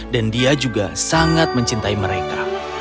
dan dia juga sangat mencintai mereka